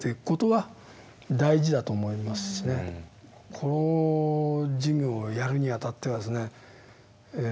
この授業をやるにあたってはですね